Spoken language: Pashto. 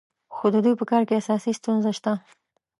خو د دوی په کار کې اساسي ستونزه شته.